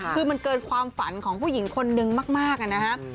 คือมันเกินความฝันของผู้หญิงคนนึงมากนะครับ